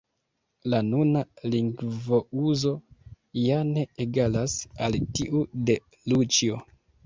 La nuna lingvouzo ja ne egalas al tiu de Luĉjo.